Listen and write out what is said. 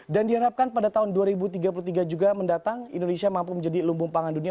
dan diharapkan pada tahun dua ribu tiga puluh tiga juga mendatang indonesia mampu menjadi lumbung pangan dunia